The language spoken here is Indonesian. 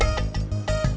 ya ada tiga orang